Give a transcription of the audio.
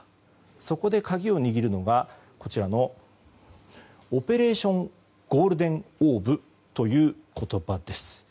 そこで鍵を握るのがオペレーション・ゴールデン・オーブという言葉です。